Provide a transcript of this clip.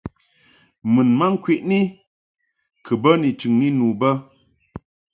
Mun ma ŋkwəni kɨ bə ni chɨŋni nu bə.